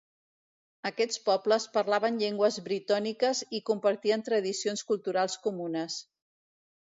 Aquests pobles parlaven llengües britòniques i compartien tradicions culturals comunes.